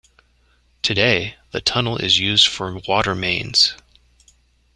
Today the tunnel is used for water mains.